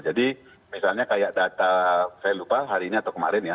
jadi misalnya kayak data saya lupa hari ini atau kemarin ya